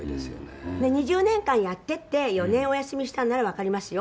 黒柳：２０年間やってて４年お休みしたならわかりますよ。